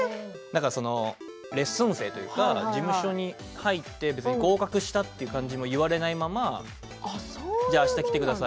レッスン生というか事務所に入って合格したっていう感じも言われないままあした来てください